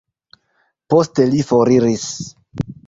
Poste li foriris.